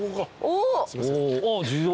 お！